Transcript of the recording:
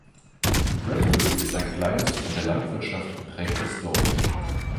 Bradbury ist ein kleines von der Landwirtschaft geprägtes Dorf.